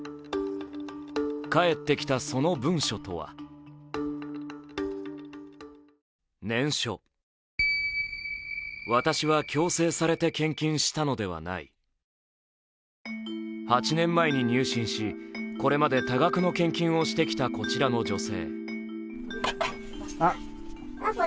返ってきたその文書とは８年前に入信し、これまで多額の献金をしてきたこちらの女性。